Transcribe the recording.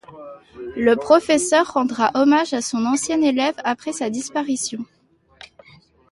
Le professeur rendra hommage à son ancienne élève après sa disparition.